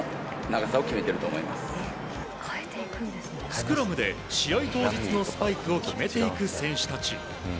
スクラムで試合当日のスパイクを決めていく選手たち。